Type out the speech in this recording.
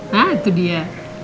hah itu dia